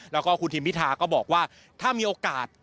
แล้วก็คุณทีมพิทาก็บอกว่า